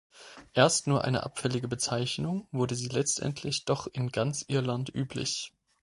Erst nur eine abfällige Bezeichnung wurde sie letztendlich doch in ganz Irland üblich.